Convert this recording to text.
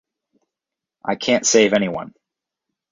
I can't save anyone.